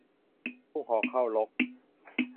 พุ่งหอกเข้ารก